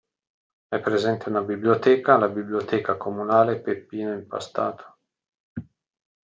È presente una biblioteca, la Biblioteca comunale Peppino Impastato.